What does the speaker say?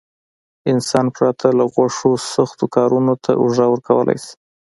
انسان پرته له غوښو سختو کارونو ته اوږه ورکولای شي.